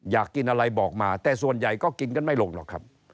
อยากกินอะไรบอกมาแต่ส่วนใหญ่ก็กินกันไม่ลงหรอกครับ